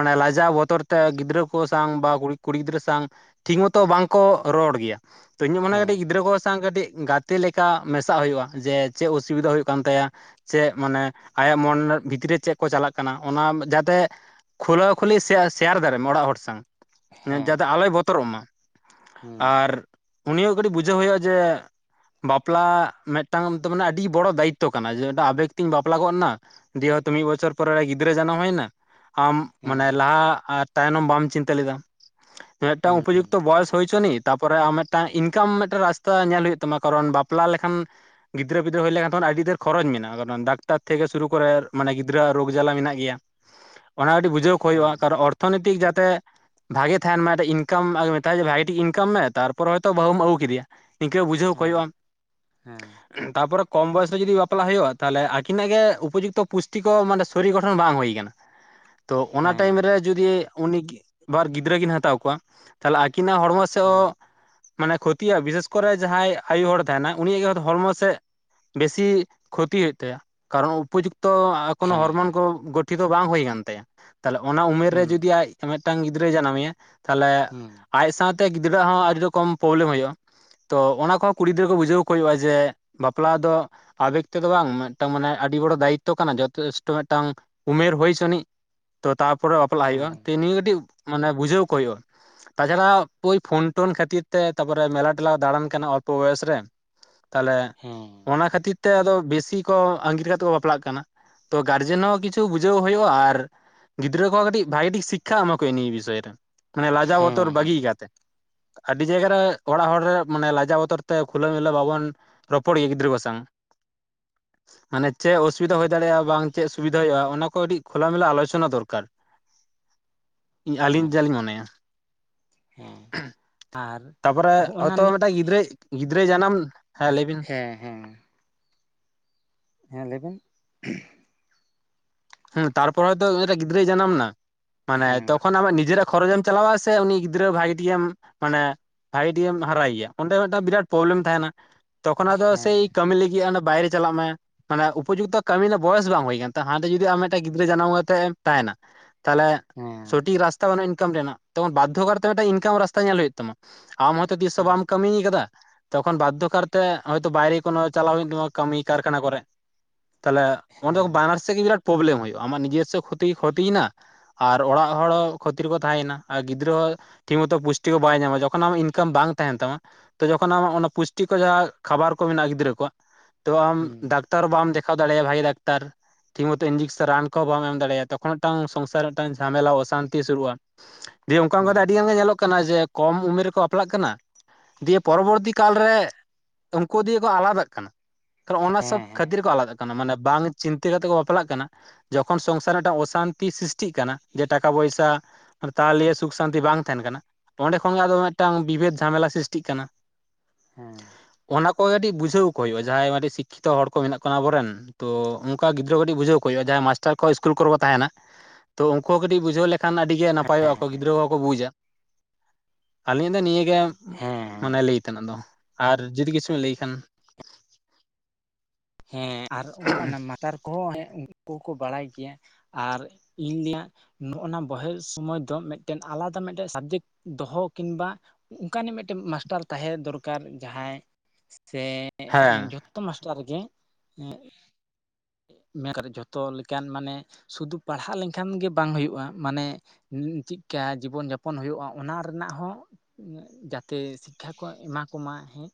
ᱢᱟᱱᱮ ᱞᱟᱡᱟᱣ ᱵᱚᱛᱚᱨ ᱛᱮ ᱜᱤᱫᱽᱨᱟᱹ ᱠᱚ ᱥᱟᱶᱝ ᱵᱟ ᱠᱩᱲᱤ ᱠᱩᱲᱤ ᱜᱤᱫᱽᱨᱟᱹ ᱥᱟᱝ ᱴᱷᱤᱠ ᱢᱚᱛᱚ ᱵᱟᱝᱠᱚ ᱨᱚᱲ ᱜᱮᱭᱟ, ᱛᱚ ᱤᱧᱟᱹᱜ ᱢᱚᱱᱮ ᱦᱮᱸ ᱠᱟᱹᱴᱤᱡ ᱜᱤᱫᱽᱨᱟᱹ ᱠᱚ ᱥᱟᱶᱝ ᱠᱟᱹᱴᱤᱡ ᱜᱟ ᱛᱮ ᱞᱮᱠᱟ ᱢᱮᱥᱟᱜ ᱦᱩᱭᱩᱜᱼᱟ, ᱡᱮ ᱪᱮᱫ ᱚᱥᱩᱵᱤᱫᱟ ᱦᱩᱭᱩᱜ ᱠᱟᱱ ᱛᱟᱭᱟ ᱪᱮᱫ ᱢᱟᱱᱮ ᱟᱭᱟᱜ ᱢᱚᱱ ᱵᱷᱤᱛᱨᱤ ᱨᱮ ᱪᱮᱫ ᱠᱚ ᱪᱟᱞᱟᱜ ᱠᱟᱱᱟ ᱚᱱᱟ ᱡᱟᱛᱮ ᱠᱷᱩᱞᱟᱹᱣ ᱠᱷᱩᱞᱤ ᱥᱮ ᱥᱮᱭᱟᱨ ᱫᱟᱲᱮᱜ ᱢᱟ ᱚᱲᱟᱜ ᱦᱚᱲ ᱥᱟᱶᱝ᱾ ᱦᱮᱸ ᱡᱟᱛᱮ ᱟᱞᱚᱭ ᱵᱚᱛᱚᱨᱚᱜ ᱢᱟ, ᱦᱩᱸ ᱟᱨ ᱩᱱᱤ ᱦᱚᱸ ᱠᱟᱹᱴᱤᱡ ᱵᱩᱡᱷᱟᱹᱣ ᱦᱩᱭᱩᱜᱼᱟ ᱡᱮ ᱵᱟᱯᱞᱟ ᱢᱤᱫᱴᱟᱝ ᱛᱚ ᱢᱟᱱᱮ ᱟᱹᱰᱤ ᱵᱚᱲᱚ ᱫᱟᱭᱤᱛᱛᱚ ᱠᱟᱱᱟ ᱡᱮ ᱢᱤᱫᱴᱟᱝ ᱟᱵᱮᱜᱽ ᱛᱤᱧ ᱵᱟᱯᱞᱟ ᱜᱚᱫ ᱮᱱᱟ ᱫᱤᱭᱮ ᱦᱚᱭᱛᱚ ᱢᱤᱫ ᱵᱚᱪᱷᱚᱨ ᱯᱚᱨᱮ ᱨᱮ ᱜᱤᱫᱽᱨᱟᱹ ᱡᱟᱱᱟᱢ ᱦᱩᱭ ᱮᱱᱟ ᱟᱢ ᱢᱟᱱᱮ ᱦᱮᱸ ᱞᱟᱦᱟ ᱛᱟᱭᱱᱚᱢ ᱵᱟᱢ ᱪᱤᱱᱛᱟᱹ ᱞᱮᱫᱟ, ᱢᱤᱫᱴᱟᱝ ᱩᱯᱚᱡᱤᱜᱽᱛᱚ ᱵᱚᱭᱚᱥ ᱦᱩᱭ ᱦᱚᱪᱚᱱᱤᱛ, ᱛᱟᱯᱚᱨᱮ ᱟᱢ ᱢᱤᱫᱴᱟᱝ ᱤᱱᱠᱟᱢ ᱢᱤᱫᱴᱟᱝ ᱨᱟᱥᱛᱟ ᱧᱮᱞ ᱦᱩᱭᱩᱜ ᱛᱟᱢᱟ ᱠᱟᱨᱚᱱ ᱵᱟᱯᱞᱟ ᱞᱮᱠᱷᱟᱱ ᱜᱤᱫᱽᱨᱟᱹ ᱯᱤᱫᱽᱨᱟᱹ ᱦᱩᱭ ᱞᱮᱠᱷᱟᱱ ᱟᱹᱰᱤ ᱰᱷᱮᱨ ᱠᱷᱚᱨᱚᱪ ᱢᱮᱱᱟᱜᱼᱟ, ᱠᱟᱨᱚᱱ ᱰᱟᱠᱛᱟᱨ ᱛᱷᱮᱠᱮ ᱥᱩᱨᱩ ᱠᱚᱨᱮ ᱢᱟᱱᱮ ᱜᱤᱫᱽᱨᱟᱹᱣᱟᱜ ᱨᱳᱜᱽ ᱡᱟᱞᱟ ᱢᱮᱱᱟᱜ ᱜᱮᱭᱟ ᱚᱱᱟ ᱟᱹᱰᱤ ᱵᱩᱡᱷᱟᱹᱣ ᱠᱚ ᱦᱩᱭᱩᱜᱼᱟ ᱦᱮᱸ ᱠᱟᱨᱚᱱ ᱚᱨᱛᱷᱚᱱᱤᱛᱤᱠ ᱡᱟᱛᱮ ᱵᱷᱟᱜᱮ ᱛᱟᱦᱮᱱ ᱢᱟ (inaudible) ᱤᱱᱠᱟᱢ ᱢᱮᱛᱟᱭ ᱡᱮ ᱵᱷᱟᱜᱤ ᱴᱷᱤᱠ ᱤᱱᱠᱟᱢ ᱢᱮ ᱛᱟᱨᱯᱚᱨᱮ ᱦᱚᱭᱛᱳ ᱵᱟᱹᱦᱩᱢ ᱟᱹᱜᱩ ᱠᱮᱫᱮᱭᱟ᱾ ᱱᱤᱱᱠᱟᱹ ᱵᱩᱡᱷᱟᱹᱣ ᱠᱚ ᱦᱮᱸ ᱦᱳᱭᱳᱜᱼᱟ᱾ ᱦᱮᱸ ᱛᱟᱯᱚᱨᱮ ᱠᱚᱢ ᱵᱚᱭᱮᱥ ᱨᱮ ᱡᱩᱫᱤ ᱵᱟᱯᱞᱟ ᱦᱩᱭᱩᱜᱼᱟ, ᱛᱟᱦᱚᱞᱮ ᱟᱹᱠᱤᱱᱟᱜ ᱜᱮ ᱩᱯᱚᱡᱩᱠᱛᱚ ᱯᱩᱥᱴᱤ ᱠᱚ ᱢᱟᱱᱮ ᱥᱚᱨᱤ ᱜᱚᱴᱷᱚᱱ ᱵᱟᱝ ᱦᱩᱭ ᱟᱠᱟᱱᱟ, ᱛᱚ ᱚᱱᱟ ᱦᱮᱸ ᱴᱟᱭᱤᱢ ᱨᱮ ᱡᱩᱫᱤ ᱩᱱᱤ ᱵᱟᱨ ᱜᱤᱫᱽᱨᱟᱹ ᱠᱤᱱ ᱦᱟᱛᱟᱣ ᱠᱚᱣᱟ ᱛᱟᱦᱞᱮ ᱟᱹᱠᱤᱱᱟᱜ ᱦᱚᱲᱢᱚ ᱥᱮᱫ ᱦᱚᱸ ᱢᱟᱱᱮ ᱠᱷᱚᱛᱤᱜᱼᱟ ᱵᱤᱥᱮᱥ ᱠᱚᱨᱮ ᱡᱟᱦᱟᱸᱭ ᱟᱭᱩ ᱦᱚᱲ ᱮ ᱛᱟᱦᱮᱱᱟ ᱩᱱᱤᱭᱟᱜ ᱜᱮ ᱦᱚᱲᱢᱚ ᱥᱮᱫ ᱵᱮᱥᱤ ᱠᱷᱚᱛᱤ ᱦᱩᱭᱩᱜ ᱛᱟᱭᱟ ᱠᱟᱨᱚᱱ ᱩᱯᱚᱡᱩᱠᱛᱚ ᱠᱳᱱᱳ ᱦᱮᱸ ᱦᱚᱨᱢᱚᱱ ᱦᱮᱸ ᱠᱚ ᱜᱚᱴᱷᱤᱛᱚ ᱵᱟᱝ ᱦᱩᱭ ᱟᱠᱟᱱ ᱛᱟᱭᱟ, ᱛᱟᱦᱚᱞᱮ ᱚᱱᱟ ᱩᱢᱮᱨ ᱨᱮ ᱦᱩᱸ ᱡᱩᱫᱤ ᱟᱡ ᱢᱤᱫᱴᱟᱝ ᱜᱤᱫᱽᱨᱟᱹᱭ ᱡᱟᱱᱟᱢᱮᱭᱟ, ᱛᱟᱦᱞᱮ ᱦᱩᱸ ᱟᱡ ᱥᱟᱶᱛᱮ ᱜᱤᱫᱽᱨᱟᱹᱣᱟᱜ ᱦᱚᱸ ᱟᱹᱰᱤ ᱨᱚᱠᱚᱢ ᱯᱨᱚᱵᱞᱮᱢ ᱦᱳᱭᱳᱜᱼᱟ᱾ ᱛᱚ ᱚᱱᱟ ᱠᱚᱦᱚᱸ ᱠᱩᱲᱤ ᱜᱤᱫᱽᱨᱟᱹ ᱠᱚ ᱵᱩᱡᱷᱟᱹᱣ ᱠᱚ ᱦᱩᱭᱩᱜᱼᱟ ᱡᱮ ᱵᱟᱯᱞᱟ ᱫᱚ ᱟᱵᱮᱠ ᱛᱮᱫᱚ ᱵᱟᱝ ᱢᱤᱫᱴᱟᱝ ᱢᱟᱱᱮ ᱟᱹᱰᱤ ᱵᱚᱲᱚ ᱫᱟᱭᱤᱛᱚ ᱠᱟᱱᱟ ᱡᱚᱛᱮᱥ ᱴᱚ ᱢᱤᱫᱴᱟᱝ ᱩᱢᱮᱨ ᱦᱩᱭ ᱦᱚᱪᱚᱟᱹᱱᱤᱡ ᱛᱚ ᱛᱟᱨᱯᱚᱨᱮ ᱵᱟᱯᱞᱟ ᱦᱩᱭᱩᱜᱼᱟ, ᱦᱮᱸ ᱱᱤᱭᱟᱹ ᱠᱟᱹᱴᱤᱡ ᱢᱟᱱᱮ ᱵᱩᱡᱟᱹᱣ ᱠᱚ ᱦᱚᱭᱩᱜᱼᱟ, ᱛᱟᱪᱷᱟᱲᱟ ᱳᱭ ᱯᱷᱳᱱ ᱴᱳᱱ ᱠᱷᱟᱹᱛᱤᱨ ᱛᱮ ᱛᱟᱨᱯᱚᱨᱮ ᱢᱮᱞᱟ ᱴᱮᱞᱟ ᱫᱟᱬᱟᱱ ᱠᱟᱱᱟ ᱚᱞᱯᱚ ᱵᱚᱭᱚᱥ ᱨᱮ, ᱛᱟᱦᱞᱮ ᱦᱮᱸ ᱚᱱᱟ ᱠᱷᱟᱹᱛᱤᱨ ᱛᱮ ᱟᱫᱚ ᱵᱮᱥᱤ ᱠᱚ ᱟᱸᱜᱤᱨ ᱠᱟᱛᱮ ᱠᱚ ᱵᱟᱯᱞᱟᱜ ᱠᱟᱱᱟ, ᱛᱚ ᱜᱟᱨᱡᱮᱱ ᱦᱚᱸ ᱠᱤᱪᱷᱩ ᱵᱩᱡᱷᱟᱹᱣ ᱦᱩᱭᱩᱜᱼᱟ, ᱟᱨ ᱜᱤᱫᱽᱨᱟᱹ ᱠᱚᱦᱚᱸ ᱠᱟᱹᱴᱤᱡ ᱵᱷᱟᱜᱤ ᱴᱷᱤᱠ ᱥᱤᱠᱷᱟ ᱮᱢᱟ ᱠᱚ ᱦᱩᱭᱩᱜ ᱱᱤᱭᱟᱹ ᱵᱤᱥᱚᱭ ᱨᱮ, ᱢᱟᱱᱮ ᱞᱟᱡᱟᱣ ᱦᱮᱸ ᱵᱚᱛᱚᱨ ᱦᱮᱸ ᱵᱟᱹᱜᱤ ᱦᱮᱸ ᱠᱟᱛᱮ, ᱟᱹᱰᱤ ᱡᱟᱭᱜᱟ ᱨᱮ ᱚᱲᱟᱜ ᱦᱚᱲ ᱨᱮ ᱢᱟᱱᱮ ᱞᱟᱡᱟᱣ ᱵᱚᱛᱚᱨ ᱛᱮ ᱠᱷᱩᱞᱟᱹᱣ ᱢᱤᱞᱟᱹ ᱵᱟᱵᱚᱱ ᱨᱚᱯᱚᱲ ᱜᱮ ᱜᱤᱫᱽᱨᱟᱹ ᱠᱚ ᱥᱟᱶᱝ ᱢᱟᱱᱮ ᱪᱮᱫ ᱚᱥᱩᱵᱤᱫᱟ ᱦᱩᱭ ᱫᱟᱲᱮᱭᱟᱜᱼᱟ ᱵᱟᱝ ᱪᱮᱫ ᱥᱩᱵᱤᱫᱷᱟ ᱦᱩᱭᱩᱜᱼᱟ ᱚᱱᱟ ᱠᱚ ᱟᱹᱰᱤ ᱠᱷᱚᱞᱟ ᱢᱮᱞᱟ ᱟᱞᱳᱪᱚᱱᱟ ᱫᱚᱨᱠᱟᱨ, ᱤᱧ ᱟᱹᱞᱤᱧ ᱡᱟ ᱞᱤᱧ ᱢᱚᱱᱮᱭᱟ, ᱦᱮᱸ ᱛᱟᱯᱚᱨᱮ ᱦᱚᱜᱼᱱᱟ ᱦᱚᱭᱛᱚ ᱱᱤ ᱢᱤᱫᱴᱟᱝ ᱜᱤᱫᱽᱨᱟᱹ ᱜᱤᱫᱽᱨᱟᱹᱭ ᱡᱟᱱᱟᱢ, ᱦᱮᱸ ᱞᱟᱹᱭ ᱵᱤᱱ᱾ ᱦᱮᱸ ᱦᱮᱸ᱾ ᱦᱮᱸ ᱞᱟᱹᱭᱵᱱ᱾ ᱦᱮᱸ ᱛᱟᱨᱯᱚᱨ ᱫᱚ (unintelligible) ᱜᱤᱫᱽᱨᱟᱹᱭ ᱡᱟᱱᱟᱢ ᱱᱟ ᱢᱟᱱᱮ ᱦᱮᱸ ᱛᱚᱠᱷᱚᱱ ᱟᱢᱟᱜ ᱱᱤᱡᱮᱨᱟᱜ ᱠᱷᱚᱨᱚᱪᱮᱢ ᱪᱟᱞᱟ ᱟ ᱥᱮ ᱩᱱᱤ ᱜᱤᱫᱽᱨᱟᱹ ᱵᱷᱟᱜᱤ ᱴᱜᱮᱢ ᱢᱟᱱᱮ ᱵᱷᱟᱭᱤᱴᱮᱢ ᱦᱟᱨᱟᱭᱮᱭᱟ ᱚᱸᱰᱮ ᱢᱤᱫᱴᱟᱝ ᱵᱤᱨᱟᱴ ᱯᱨᱚᱵᱞᱮᱢ ᱛᱟᱦᱮᱱᱟ, ᱛᱚᱠᱷᱚᱱ ᱟᱫᱚ ᱥᱮᱭ ᱦᱮᱸ ᱠᱟᱹᱢᱤ ᱞᱟᱹᱜᱤᱫ ᱵᱟᱭᱨᱮ ᱪᱟᱞᱟᱜ ᱢᱮ ᱢᱟᱱᱮ ᱩᱯᱚᱡᱩᱠᱛᱚ ᱠᱟᱹᱢᱤ ᱨᱮᱱᱟᱜ ᱵᱚᱭᱮᱥ ᱵᱟᱝ ᱦᱩᱭ ᱠᱟᱱ ᱛᱟᱦᱮᱸ ᱡᱩᱫᱤ ᱟᱢ ᱢᱤᱫᱴᱟᱝ ᱜᱤᱫᱽᱨᱟᱹ ᱡᱟᱱᱟᱢ ᱠᱟᱛᱮᱫ ᱮᱢ ᱛᱟᱦᱮᱱᱟ ᱛᱟᱦᱚᱞᱮ ᱦᱮᱸ ᱦᱮᱸ ᱦᱮᱸ ᱥᱚᱴᱷᱤᱠ ᱨᱟᱥᱛᱟ ᱵᱟᱹᱱᱩᱜᱼᱟ ᱤᱱᱠᱟᱢ ᱨᱮᱱᱟᱜ (unintelligible) ᱵᱟᱫᱽᱫᱷᱚ ᱠᱟᱨᱛᱮ ᱢᱤᱫᱴᱮᱱ ᱤᱱᱠᱟᱢ ᱨᱟᱥᱛᱟ ᱧᱮᱞ ᱦᱩᱭᱩᱜ ᱛᱟᱢᱟ ᱟᱢ ᱦᱚᱭᱛᱚ ᱛᱤᱥ ᱦᱚᱸ ᱦᱩᱸ ᱵᱟᱢ ᱠᱟᱹᱢᱤᱭ ᱟᱠᱟᱫᱟ ᱛᱚᱠᱷᱚᱱ ᱵᱟᱫᱽᱫᱷᱚ ᱠᱟᱨᱛᱮ ᱦᱚᱭᱛᱚ ᱵᱟᱭᱨᱮ ᱠᱚᱱᱚ ᱪᱟᱞᱟᱣ ᱦᱩᱭᱩᱜ ᱛᱟᱢᱟ ᱠᱟᱹᱢᱤ ᱠᱟᱨᱠᱷᱟᱱᱟ ᱠᱚᱨᱮ, ᱛᱟᱦᱚᱞᱮ ᱚᱸᱰᱮ ᱦᱮᱸ ᱵᱟᱱᱟᱨ ᱥᱮᱫ ᱜᱮ ᱯᱨᱚᱵᱽᱞᱮᱢ ᱦᱩᱭᱩᱜᱼᱟ ᱟᱢᱟᱜ ᱱᱤᱡᱮᱨ ᱥᱮᱜ ᱠᱷᱚᱛᱤ ᱠᱷᱚᱛᱤᱭᱮᱱᱟ, ᱟᱨ ᱚᱲᱟᱜ ᱦᱚᱲ ᱠᱷᱚᱛᱤᱨ ᱠᱚ ᱛᱟᱦᱮᱸᱭᱮᱱᱟ ᱟᱨ ᱜᱤᱫᱽᱨᱟᱹ ᱦᱚ ᱴᱷᱤᱠ ᱢᱚᱛᱚ ᱯᱩᱥᱴᱤ ᱠᱚ ᱵᱟᱭ ᱧᱟᱢᱟ ᱡᱚᱠᱷᱚᱱ ᱟᱢ ᱤᱱᱠᱟᱢ ᱵᱟᱝ ᱛᱟᱦᱮᱱ ᱛᱟᱢᱟ, ᱛᱚ ᱡᱚᱠᱷᱚᱱ ᱟᱢᱟᱜ ᱚᱱᱟ ᱯᱩᱥᱴᱤ ᱠᱚ ᱡᱟᱦᱟᱸ ᱠᱷᱟᱵᱟᱨ ᱠᱚ ᱢᱮᱱᱟᱜᱼᱟ ᱜᱤᱫᱽᱨᱟᱹ ᱠᱚᱣᱟᱜ, ᱛᱚ ᱟᱢ ᱦᱮᱸ ᱰᱟᱠᱛᱟᱨ ᱵᱟᱢ ᱫᱮᱠᱷᱟᱣ ᱫᱟᱲᱮᱭᱟᱜᱼᱟ ᱵᱷᱟᱜᱤ ᱰᱟᱠᱛᱟᱨ, ᱤᱧᱡᱮᱠᱥᱮᱱ ᱨᱟᱱ ᱠᱚᱦ ᱵᱟᱢ ᱮᱢ ᱫᱟᱲᱮᱭᱟᱜᱼᱟ ᱛᱚᱠᱷᱚᱱ ᱢᱤᱫᱴᱟᱝ ᱥᱚᱝᱥᱟᱨ ᱢᱤᱫᱴᱟᱝ ᱡᱷᱟᱢᱮᱞᱟ ᱚᱥᱟᱱᱛᱤ ᱥᱩᱨᱩᱜᱼᱟ, ᱫᱤᱭᱮ ᱚᱱᱠᱟ ᱚᱱᱠᱟ ᱫᱚ ᱟᱹᱰᱤ ᱦᱮᱸ ᱜᱟᱱ ᱜᱮ ᱧᱮᱞᱚᱜ ᱠᱟᱱᱟ ᱡᱮ ᱠᱚᱢ ᱩᱢᱮᱨ ᱨᱮᱠᱚ ᱵᱟᱯᱞᱟᱜ ᱠᱟᱱᱟ ᱫᱤᱭᱮ ᱯᱚᱨᱚᱵᱚᱨᱛᱤ ᱠᱟᱞ ᱨᱮ ᱩᱱᱠᱩ ᱫᱤᱭᱮ ᱠᱚ ᱟᱞᱟᱫᱟᱜ ᱠᱟᱱᱟ, ᱚᱱᱟ ᱥᱚᱵ ᱠᱷᱟᱹᱛᱤᱨ ᱠᱚ ᱟᱞᱟᱜ ᱠᱟᱱᱟ ᱢᱟᱱᱮ ᱵᱟᱝ ᱪᱤᱱᱛᱟᱹ ᱠᱟᱛᱮ ᱠᱚ ᱯᱟᱞᱟᱜ ᱠᱟᱱᱟ ᱡᱚᱠᱷᱚᱱ ᱥᱚᱝᱥᱟᱨ ᱨᱮᱱᱟᱜ ᱢᱤᱫᱴᱟᱝ ᱚᱥᱟᱱᱛᱤ ᱥᱨᱤᱥᱴᱤᱜ ᱠᱟᱱᱟ ᱡᱮ ᱴᱟᱠᱟ ᱯᱚᱭᱥᱟ ᱟᱨ ᱛᱟᱦᱚᱞᱮ ᱥᱩᱠ ᱥᱟᱱᱛᱤ ᱵᱟᱝ ᱛᱟᱦᱮᱱ ᱠᱟᱱᱟ ᱚᱸᱰᱮ ᱠᱷᱚᱱ ᱜᱮ ᱟᱫᱚ ᱢᱤᱫᱴᱟᱝ ᱵᱤᱵᱷᱮᱫ ᱡᱷᱟᱢᱮᱞᱟ ᱥᱨᱤᱥᱴᱤᱜ ᱠᱟᱱᱟ, ᱦᱮᱸ ᱚᱱᱟ ᱠᱚ ᱠᱟᱹᱴᱤᱡ ᱵᱩᱡᱷᱟᱹᱣ ᱠᱚ ᱦᱩᱭᱩᱜᱼᱟ ᱡᱟᱦᱟᱸᱭ ᱢᱤᱫᱴᱤᱡ ᱥᱤᱠᱠᱷᱤᱛᱚ ᱦᱚᱲ ᱠᱚ ᱢᱮᱱᱟᱜ ᱠᱚᱣᱟ ᱟᱵᱚᱨᱮᱱ ᱛᱚ ᱚᱱᱠᱟ ᱜᱤᱫᱽᱨᱟᱹ ᱴᱤᱡ ᱵᱩᱡᱷᱣᱼᱟᱭ ᱢᱟᱥᱴᱟᱨ ᱠᱚ ᱤᱥᱠᱩᱞ ᱠᱚᱨᱮ ᱠᱚ ᱛᱟᱦᱮᱱᱟ ᱛᱚ ᱩᱱᱠᱩ ᱦᱚ ᱠᱟᱹᱴᱤᱡ ᱵᱩᱡᱷᱟᱹᱣ ᱠᱷᱟᱱ ᱟᱹᱰᱤ ᱜᱮ ᱱᱟᱯᱟᱭᱚᱜᱼᱟ ᱠᱚ ᱜᱤᱫᱽᱨᱟᱹ ᱵᱟᱠᱚ ᱵᱩᱡᱟ, ᱟᱹᱞᱤᱧᱟᱜ ᱫᱚ ᱱᱤᱭᱟᱹᱜᱮ ᱢᱟᱱᱮ ᱦᱮᱸ ᱞᱟᱹᱭ ᱛᱮᱱᱟᱜ ᱫᱚ ᱟᱨ ᱡᱩᱫᱤ ᱠᱤᱪᱷᱩ ᱞᱟᱹᱭ ᱠᱷᱟᱱ ᱦᱮᱸ ᱟᱨ ᱢᱟᱛᱟᱨ ᱠᱚᱦᱚᱸ ᱩᱱᱠᱩ ᱠᱚᱠᱚ ᱵᱟᱲᱟᱭ ᱜᱮᱭᱟ ᱟᱨ ᱤᱧ ᱨᱮᱭᱟᱜ ᱱᱚᱜᱼ ᱱᱟ ᱵᱚᱦᱮᱞ ᱥᱚᱢᱚᱭ ᱫᱚ ᱢᱤᱫᱴᱮᱱ ᱟᱞᱟᱫᱟ ᱢᱤᱫᱴᱮᱱ ᱥᱟᱵᱡᱮᱠᱴ ᱫᱚᱦᱚ ᱠᱤᱝᱵᱟ, ᱚᱱᱠᱟᱱ ᱢᱤᱫᱴᱮᱱ ᱢᱟᱥᱴᱟᱨ ᱛᱟᱦᱮ ᱫᱚᱨᱠᱟᱨ ᱡᱟᱦᱟᱸᱭ ᱥᱮ ᱦᱮᱸ ᱡᱚᱛᱚ ᱢᱟᱥᱴᱟᱨ ᱨᱮᱜᱮ ᱢᱮ ᱠᱟᱛᱮ ᱡᱚᱛᱚ ᱞᱮᱠᱟᱱ ᱢᱟᱱᱮ ᱥᱩᱫᱷᱩ ᱯᱟᱲᱦᱟᱜ ᱞᱮᱱᱠᱷᱟᱱ ᱜᱮ ᱵᱟᱝ ᱦᱩᱭᱩᱜᱼᱟ ᱢᱟᱱᱮ ᱪᱮᱫᱠᱟ ᱡᱤᱵᱚᱱ ᱡᱟᱯᱚᱱ ᱦᱩᱭᱩᱜᱼᱟ ᱚᱱᱟ ᱨᱮᱱᱟᱜ ᱦᱚᱸ ᱡᱟᱛᱮ ᱥᱤᱠᱷᱟ ᱠᱚ ᱮᱢᱟ ᱠᱚᱢᱟ ᱦᱮᱸ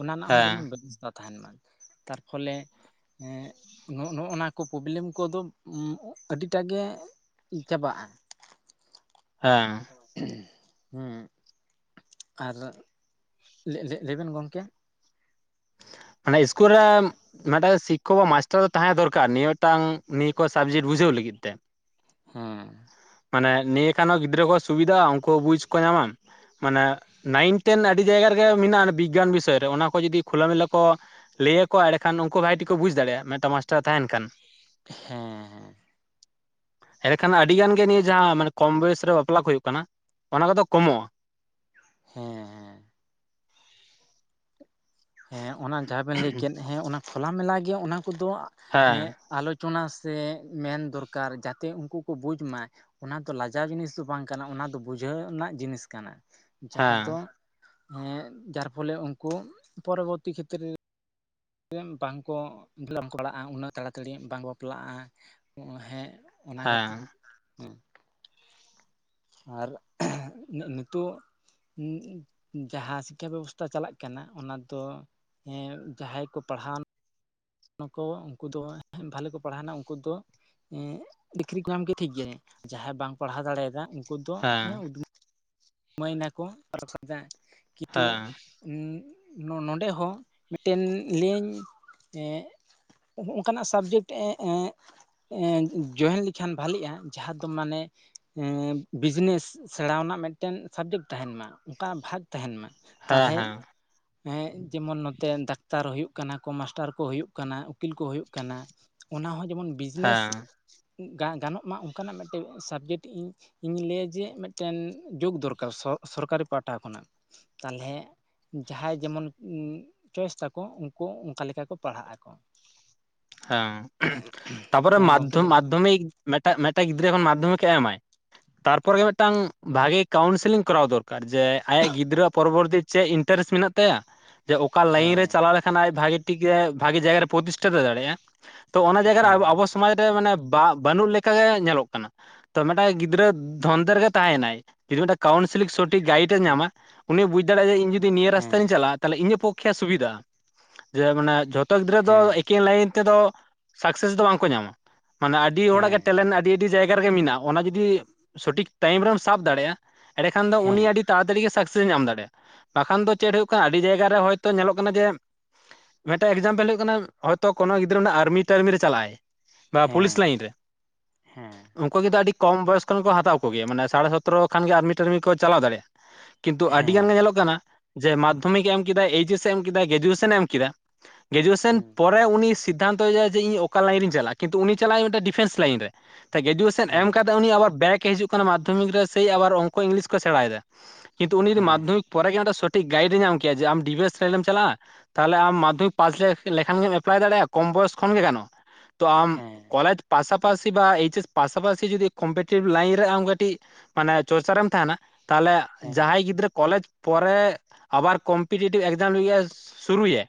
ᱚᱱᱟ ᱱᱟᱜ ᱦᱚᱸ ᱦᱮᱸ ᱡᱮᱢᱚᱱ ᱵᱮᱵᱚᱥᱛᱟ ᱛᱟᱦᱮᱱ ᱢᱟ ᱛᱟᱨᱯᱷᱚᱞᱮ ᱦᱮᱸ ᱱᱚᱜ ᱱᱚᱱᱟ ᱠᱚ ᱯᱨᱚᱵᱞᱮᱢ ᱠᱚᱫᱚ ᱟᱹᱰᱤᱴᱟᱜ ᱜᱮ ᱪᱟᱵᱟᱜᱼᱟ, (inaudible) ᱦᱮᱸ ᱦᱩᱸ ᱟᱨ ᱞᱮᱜ ᱞᱮᱜ ᱞᱟᱹᱭ ᱵᱮᱱ ᱜᱚᱝᱠᱮ᱾ ᱢᱟᱱᱮ ᱤᱥᱠᱩᱞ ᱨᱮᱢ ᱢᱮᱴᱟᱜ ᱫᱚ ᱥᱤᱠᱷᱚᱠ ᱵᱟ ᱢᱟᱥᱴᱟᱨ ᱫᱚ ᱛᱟᱦᱮᱸ ᱫᱚᱨᱠᱟᱨ ᱱᱤᱭᱟᱹ ᱢᱤᱫᱴᱟᱝ ᱱᱤᱭᱟᱹ ᱠᱚ ᱥᱟᱵᱡᱮᱠᱴ ᱵᱩᱡᱷᱟᱹᱣ ᱞᱟᱹᱜᱤᱫ ᱛᱮ᱾ ᱦᱮᱸ᱾ ᱢᱟᱱᱮ ᱱᱤᱭᱟᱹ ᱠᱷᱟᱱ ᱦᱚᱸ ᱜᱤᱫᱽᱨᱟᱹ ᱠᱚ ᱥᱩᱵᱤᱫᱷᱟᱼᱟ ᱩᱱᱠᱩ ᱦᱚ ᱵᱩᱡᱷ ᱠᱚ ᱧᱟᱢᱟ᱾ ᱢᱟᱱᱮ ᱱᱟᱭᱤᱱ ᱴᱮᱱ ᱟᱹᱰᱤ ᱡᱟᱭᱜᱟ ᱨᱮᱜᱮ ᱢᱮᱱᱟᱜᱼᱟ ᱚᱱᱮ ᱵᱤᱜᱜᱟᱱ ᱵᱤᱥᱚᱭ ᱨᱮ ᱚᱱᱟ ᱠᱚ ᱡᱩᱫᱤ ᱠᱷᱚᱞᱟ ᱢᱮᱞᱟ ᱠᱚ ᱞᱟᱹᱭ ᱟᱠᱚ ᱮᱲᱮᱠᱷᱟᱱ ᱩᱱᱠᱩ ᱵᱷᱟᱜᱤ ᱴᱷᱤᱠ ᱠᱚ ᱵᱩᱡᱷ ᱫᱟᱲᱮᱭᱟᱜᱼᱟ ᱢᱮᱛᱟ ᱢᱟᱥᱴᱟᱨ ᱛᱟᱦᱮᱸᱱ ᱠᱷᱟᱱ᱾ ᱦᱮᱸ ᱦᱮᱸ᱾ ᱮᱲᱮᱠᱷᱟᱱ ᱟᱹᱰᱤ ᱜᱟᱱ ᱜᱮ ᱱᱤᱭᱟᱹ ᱡᱟᱦᱟᱸ ᱢᱟᱱᱮ ᱠᱚᱢ ᱵᱚᱭᱮᱥ ᱨᱮ ᱵᱟᱯᱞᱟ ᱠᱚ ᱦᱩᱭᱩᱜ ᱠᱟᱱᱟ ᱚᱱᱟ ᱠᱚᱫᱚ ᱠᱚᱢᱚᱜᱼᱟ᱾ ᱦᱮᱸ᱾ ᱦᱮᱸ ᱚᱱᱟ ᱡᱟᱦᱟᱸ ᱵᱮᱱ ᱞᱟᱹᱭ ᱠᱮᱫ ᱦᱮᱸ ᱚᱱᱟ ᱠᱷᱚᱞᱟ ᱢᱮᱞᱟ ᱜᱮ ᱚᱱᱟ ᱠᱚᱫᱚ ᱮᱸ ᱦᱮᱸ ᱟᱞᱚᱪᱚᱱᱟ ᱥᱮ ᱢᱮᱱ ᱫᱚᱨᱠᱟᱨ ᱡᱟᱛᱮ ᱩᱱᱠᱩ ᱠᱚ ᱵᱩᱡᱷ ᱢᱟ᱾ ᱚᱱᱟ ᱛᱚ ᱞᱟᱡᱟᱣ ᱡᱤᱱᱤᱥ ᱫᱚ ᱵᱟᱝ ᱠᱟᱱᱟ ᱚᱱᱟ ᱫᱚ ᱵᱩᱡᱷᱟᱹᱣ ᱨᱮᱱᱟᱜ ᱡᱤᱱᱤᱥ ᱠᱟᱱᱟ᱾ ᱡᱟᱦᱟ ᱫᱚ ᱦᱮᱸ ᱮᱸ ᱡᱟᱨ ᱯᱚᱞᱮ ᱩᱱᱠᱩ ᱯᱚᱨᱚᱵᱚᱨᱛᱤ ᱠᱷᱮᱛᱨᱮ᱾ ᱨᱮᱱ ᱵᱟᱝᱠᱚ (unintelligible) ᱩᱱᱟᱹᱜ ᱛᱟᱲᱟᱛᱟᱹᱲᱤ ᱵᱟᱝ ᱵᱟᱯᱞᱟᱜᱼᱟ ᱦᱮᱸ᱾ ᱚᱱᱟ ᱠᱷᱟᱹᱛᱤ ᱦᱮᱸ ᱦᱮᱸ᱾ ᱟᱨ ᱤᱱᱟᱹᱜ ᱱᱤᱛᱩᱜ ᱡᱟᱦᱟ ᱥᱤᱠᱠᱷᱟ ᱵᱮᱵᱚᱥᱛᱟ ᱪᱟᱞᱟᱜ ᱠᱟᱱᱟ ᱚᱱᱟ ᱫᱚ ᱮᱸ ᱡᱟᱦᱟᱸᱭ ᱠᱚ ᱯᱟᱲᱦᱟᱣ ᱮᱱᱟ ᱠᱚ ᱩᱱᱠᱩ ᱫᱚ ᱦᱟᱸᱜ ᱵᱷᱟᱞᱮ ᱠᱚ ᱯᱟᱲᱦᱟᱣ ᱮᱱᱟ ᱩᱱᱠᱩ ᱫᱚ ᱮᱸ ᱰᱤᱠᱨᱤ ᱠᱚ ᱧᱟᱢ ᱠᱮᱜ-ᱟ ᱴᱷᱤᱠ ᱡᱟᱦᱟᱸᱭ ᱵᱟᱝ ᱯᱟᱲᱦᱟᱣ ᱫᱟᱲᱮᱭᱟᱫᱟ ᱩᱱᱠᱩ ᱫᱚ ᱦᱮᱸ ᱩᱫᱽ ᱢᱟᱹᱭ ᱮᱱᱟ ᱠᱚ ᱟᱨ (unintelligible) ᱠᱤᱛᱩ- ᱦᱮᱸ ᱱᱚᱸᱰᱮ ᱦᱚᱸ ᱢᱤᱫᱴᱮᱱ ᱞᱟᱹᱭ ᱤᱧ ᱮᱸ ᱱᱚᱜ-ᱚ ᱱᱚᱝᱠᱟᱱᱟᱜ ᱥᱟᱵᱡᱮᱠᱴ ᱮᱸ ᱮᱸ ᱮᱸ ᱡᱚᱭᱮᱱ ᱞᱮᱠᱷᱟᱱ ᱵᱷᱟᱞᱤᱜᱼᱟ ᱡᱟᱦᱟ ᱫᱚ ᱢᱟᱱᱮ ᱮᱸ ᱵᱤᱡᱱᱮᱥ ᱥᱮᱬᱟᱣ ᱟᱱᱟᱜ ᱢᱤᱫ ᱴᱮᱱ ᱥᱟᱵᱡᱮᱠᱴ ᱛᱟᱦᱮᱸᱱ ᱢᱟ ᱚᱱᱠᱟᱱᱟᱜ ᱵᱷᱟᱜ ᱛᱟᱦᱮᱸᱱ ᱢᱟ ᱦᱮᱸ ᱛᱟᱞᱦᱮ ᱦᱮᱸ ᱦᱮᱸ ᱡᱮᱢᱚᱱ ᱱᱚᱛᱮ ᱰᱟᱠᱛᱟᱨ ᱦᱩᱭᱩᱜ ᱠᱟᱱᱟ ᱠᱚ ᱢᱟᱥᱴᱟᱨ ᱠᱚ ᱦᱩᱭᱩᱜ ᱠᱟᱱᱟ ᱩᱠᱤᱞ ᱠᱚ ᱦᱩᱭᱩᱜ ᱠᱟᱱᱟ᱾ ᱚᱱᱟ ᱦᱚᱸ ᱡᱮᱢᱚᱱ ᱵᱤᱡᱽᱱᱮᱥ ᱦᱮᱸ ᱜᱟ ᱜᱟᱱᱚᱜ ᱢᱟ ᱚᱱᱠᱟᱱᱟᱜ ᱢᱤᱫᱴᱮᱡ ᱥᱟᱵᱡᱮᱠᱴ ᱤᱧ ᱤᱧ ᱞᱟᱹᱭᱟ ᱡᱮ ᱢᱤᱫᱴᱮᱱ ᱡᱳᱜ ᱫᱚᱨᱠᱟᱨ ᱥᱚ ᱥᱚᱨᱠᱟᱨᱤ ᱯᱟᱦᱟᱴᱟ ᱠᱷᱚᱱᱟᱜ ᱛᱟᱞᱦᱮ ᱡᱟᱦᱟᱸᱭ ᱡᱮᱢᱚᱱ ᱪᱚᱭᱮᱥ ᱛᱟᱠᱚ ᱩᱱᱠᱩ ᱚᱱᱠᱟ ᱞᱮᱠᱟ ᱠᱚ ᱯᱟᱲᱦᱟᱜ ᱟᱠᱚ᱾ (unintelligible) ᱦᱮᱸ ᱛᱟᱯᱚᱨᱮ ᱦᱮᱸ ᱜᱚᱢᱠᱮ ᱢᱟᱫᱫᱷᱚᱢ ᱞᱟᱹᱭ ᱵᱮᱱ ᱢᱟᱫᱽᱫᱷᱚᱢᱤᱠ ᱢᱮᱴᱟᱜ ᱜᱤᱫᱽᱨᱟᱹ ᱡᱮᱠᱷᱚᱱ ᱢᱟᱫᱽᱫᱷᱚᱢᱤᱠ ᱮ ᱮᱢᱟᱭ᱾ ᱛᱟᱨᱯᱚᱨ ᱜᱮ ᱢᱤᱫᱴᱟᱝ ᱵᱷᱟᱜᱮ ᱠᱟᱣᱩᱱᱥᱤᱞᱤᱝ ᱠᱚᱨᱟᱣ ᱫᱚᱨᱠᱟᱨ ᱡᱮ ᱟᱭᱟᱜ ᱜᱤᱫᱽᱨᱟᱹᱣᱟᱜ ᱯᱚᱨᱚᱵᱚᱨᱛᱤ ᱪᱮᱫ ᱤᱱᱴᱟᱨᱮᱥᱴ ᱢᱮᱱᱟᱜ ᱛᱟᱭᱟ᱾ ᱡᱮ ᱚᱠᱟ ᱞᱟᱭᱤᱱ ᱨᱮ ᱦᱮᱸ ᱪᱟᱞᱟᱣ ᱞᱮᱠᱷᱟᱱ ᱟᱡ ᱵᱷᱟᱜᱤ ᱴᱷᱤᱠ ᱮ ᱵᱷᱟᱜᱤ ᱡᱟᱭᱜᱟ ᱨᱮ ᱯᱨᱚᱛᱤᱥᱴᱷᱟ ᱛᱚᱭ ᱫᱟᱲᱮᱭᱟᱜ-ᱟ ᱾ ᱛᱚ ᱚᱱᱟ ᱡᱟᱭᱜᱟ ᱨᱮ ᱦᱮᱸ ᱟᱵᱚ ᱥᱚᱢᱟᱡ ᱨᱮ ᱢᱟᱱᱮ ᱵᱟ ᱵᱟᱹᱱᱩᱜ ᱞᱮᱠᱟ ᱜᱮ ᱧᱮᱞᱚᱜ ᱠᱟᱱᱟ᱾ ᱛᱚ ᱢᱤᱫᱴᱟᱝ ᱜᱤᱫᱽᱨᱟᱹ ᱫᱷᱚᱱᱫᱮ ᱨᱮᱜᱮ ᱛᱟᱦᱮᱭᱮᱱᱟᱭ ᱡᱩᱫᱤ ᱢᱤᱫᱴᱟᱜ ᱠᱟᱣᱩᱱᱥᱤᱞᱤᱝ ᱥᱚ ᱴᱷᱤᱠ ᱜᱟᱭᱤᱰ ᱮ ᱦᱮᱸ ᱧᱟᱢᱟ ᱩᱱᱤ ᱵᱩᱡᱷ ᱫᱟᱲᱮᱭᱟᱜᱼᱟ ᱡᱮ ᱤᱧ ᱡᱩᱫᱤ ᱱᱤᱭᱟᱹ ᱨᱟᱥᱛᱟᱧ ᱦᱮᱸ ᱪᱟᱞᱟᱜᱼᱟ ᱛᱟᱦᱚᱞᱮ ᱤᱧᱟᱹᱜ ᱯᱚᱠᱠᱷᱮ ᱥᱩᱵᱤᱫᱷᱟ, ᱡᱮ ᱢᱟᱱᱮ ᱡᱷᱚᱛᱚ ᱜᱤᱫᱽᱨᱟᱹ ᱫᱚ ᱦᱮᱸ ᱮᱠᱮᱱ ᱞᱟᱭᱤᱱ ᱛᱮᱫᱚ ᱥᱟᱠᱥᱮᱥ ᱫᱚ ᱵᱟᱝ ᱠᱚ ᱧᱟᱢᱟ ᱢᱟᱱᱮ ᱟᱹᱰᱤ ᱦᱚᱲᱟᱜ ᱜᱮ ᱦᱮᱸ ᱴᱮᱞᱮᱱᱴ ᱟᱹᱰᱤ ᱟᱹᱰᱤ ᱡᱟᱭᱜᱟ ᱨᱮᱜᱮ ᱢᱮᱱᱟᱜᱼᱟ ᱚᱱᱟ ᱡᱩᱫᱤ ᱥᱚᱴᱷᱤᱠ ᱴᱟᱭᱤᱢ ᱨᱮᱢ ᱥᱟᱵ ᱫᱟᱲᱮᱭᱟᱜᱼᱟ ᱮᱸᱲᱮᱠᱷᱟᱱ ᱫᱚ ᱩᱱᱤ ᱟᱹᱰᱤ ᱦᱮᱸ ᱛᱟᱲᱟ ᱛᱟᱹᱲᱤ ᱜᱮ ᱥᱟᱠᱥᱮᱥ ᱮ ᱧᱟᱢ ᱫᱟᱲᱮᱭᱟᱜᱼᱟ ᱵᱟᱠᱷᱟᱱ ᱫᱚ ᱪᱮᱫ ᱦᱩᱭᱩᱜ ᱠᱟᱱᱟ ᱟᱹᱰᱤ ᱡᱟᱭᱜᱟ ᱨᱮ ᱦᱳᱭᱛᱚ ᱧᱮᱞᱚᱜ ᱠᱟᱱᱟ ᱡᱮ ᱢᱤᱫᱴᱮᱡ ᱮᱠᱡᱟᱢᱯᱮᱞ ᱦᱩᱭᱩᱜ ᱠᱟᱱᱟ ᱦᱚᱭᱛᱳ ᱠᱳᱱᱳ ᱜᱤᱫᱽᱨᱟᱹ ᱚᱱᱟ ᱟᱨᱢᱤ ᱴᱟᱨᱢᱤ ᱨᱮ ᱪᱟᱞᱟᱜ ᱟᱭ ᱵᱟ ᱯᱩᱞᱤᱥ ᱦᱮᱸ ᱞᱟᱭᱤᱱ ᱨᱮ᱾ ᱦᱮᱸ᱾ ᱩᱱᱠᱩ ᱜᱮ ᱫᱚ ᱟᱹᱰᱤ ᱠᱚᱢ ᱵᱚᱭᱚᱥ ᱠᱷᱚᱱ ᱠᱚ ᱦᱟᱛᱟᱣ ᱠᱚ ᱜᱮᱭᱟ ᱢᱟᱱᱮ ᱥᱟᱲᱮ ᱥᱚᱛᱮᱨᱚ ᱠᱷᱟᱱ ᱜᱮ ᱟᱨᱢᱤ ᱴᱟᱨᱢᱤ ᱠᱚ ᱪᱟᱞᱟᱣ ᱫᱟᱲᱮᱭᱟᱜ᱾ ᱠᱤᱱᱛᱩ ᱟᱹᱰᱤ ᱜᱟᱱ ᱜᱮ ᱦᱮᱸ ᱧᱮᱞᱚᱜ ᱠᱟᱱᱟ ᱡᱮ ᱢᱟᱫᱫᱷᱚᱢᱤᱠ ᱮ ᱮᱢ ᱠᱮᱫᱟᱭ ᱮᱭᱤᱪ ᱮᱥ ᱮ ᱮᱢ ᱠᱮᱫᱟᱭ ᱜᱨᱮᱡᱩᱭᱮᱥᱚᱱ ᱮ ᱮᱢ ᱠᱮᱫᱟ᱾ ᱜᱨᱮᱡᱩᱭᱮᱥᱚᱱ ᱯᱚᱨᱮ ᱩᱱᱤ ᱥᱤᱫᱽᱷᱟᱱᱛᱚ ᱮᱫᱟᱭ ᱡᱮ ᱤᱧ ᱚᱠᱟ ᱞᱟᱭᱤᱱ ᱨᱮᱧ ᱪᱟᱞᱟᱜᱼᱟ ᱠᱤᱱᱛᱩ ᱩᱱᱤ ᱪᱟᱞᱟᱜᱟᱭ ᱢᱤᱫᱴᱮᱱ ᱰᱤᱯᱷᱮᱱᱥ ᱞᱟᱭᱤᱱ ᱨᱮ ᱜᱨᱮᱡᱩᱭᱮᱥᱚᱱ ᱮᱢ ᱦᱮᱸ ᱠᱟᱛᱮ ᱩᱱᱤ ᱟᱵᱟᱨ ᱵᱮᱠ ᱮ ᱦᱤᱡᱩᱜ ᱠᱟᱱᱟ ᱢᱟᱫᱽᱫᱷᱚᱢᱤᱠ ᱨᱮ ᱥᱮᱭ ᱟᱵᱟᱨ ᱚᱝᱠᱚ ᱤᱝᱞᱤᱥ ᱠᱚ ᱥᱮᱬᱟ ᱮᱫᱟ ᱠᱤᱱᱛᱩ ᱩᱱᱤ ᱡᱩᱫᱤ ᱦᱮᱸ ᱢᱟᱫᱽᱫᱷᱚᱢᱤᱠ ᱯᱚᱨᱮ ᱜᱮ ᱥᱚᱴᱷᱤᱠ ᱜᱟᱭᱤᱰ ᱮ ᱧᱟᱢ ᱠᱮᱭᱟ ᱡᱮ ᱟᱢ ᱰᱤᱯᱷᱮᱱᱥ ᱞᱟᱭᱤᱱ ᱮᱢ ᱪᱟᱞᱟᱜᱼᱟ ᱛᱟᱦᱚᱞᱮ ᱟᱢ ᱢᱟᱫᱽᱫᱷᱚᱢᱤᱠ ᱯᱟᱥ ᱞᱮᱠᱷᱟᱱ ᱜᱮᱢ ᱮᱯᱞᱟᱭ ᱫᱟᱲᱮᱭᱟᱜᱼᱟ ᱠᱚᱢ ᱵᱚᱭᱚᱥ ᱠᱷᱚᱱ ᱜᱮ ᱜᱟᱱᱚᱜᱼᱟ ᱛᱚ ᱟᱢ ᱦᱮᱸ ᱠᱚᱞᱮᱡᱽ ᱯᱟᱥᱟᱯᱟᱥᱤ ᱵᱟ ᱮᱭᱤᱪ ᱮᱥ ᱯᱟᱥᱟᱯᱟᱥᱤ ᱡᱩᱫᱤ ᱠᱚᱢᱯᱤᱴᱤᱴᱤᱵᱷ ᱞᱟᱭᱤᱱ ᱨᱮ ᱟᱢ ᱠᱟᱹᱴᱤᱡ ᱢᱟᱱᱮ ᱪᱚᱨᱪᱟ ᱨᱮᱢ ᱛᱟᱦᱮᱱᱟ ᱛᱟᱦᱞᱮ ᱦᱮᱸ ᱡᱟᱦᱟᱸᱭ ᱜᱤᱫᱽᱨᱟᱹ ᱠᱚᱞᱮᱡᱽ ᱯᱚᱨᱮ ᱟᱵᱟᱨ ᱠᱚᱢᱯᱤᱴᱤᱴᱤᱵᱽ ᱮᱠᱡᱟᱢ ᱞᱟᱹᱜᱤᱫ ᱮ ᱥᱩᱨᱩᱭ ᱟᱭ